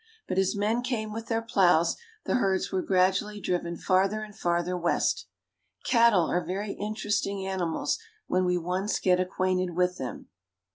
But as men came with their plows the herds were gradually driven farther and farther west. Cattle are very interesting animals when we once get acquainted with them.